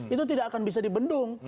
itu tidak akan bisa dibendung